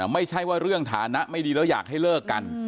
ไม่ใช่ว่าเรื่องฐานะไม่ดีแล้วอยากให้เลิกกัน